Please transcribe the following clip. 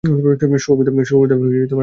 শুভবিদায় আমার রমণী।